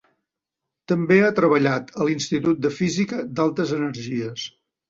També ha treballat a l'Institut de Física d'Altes Energies.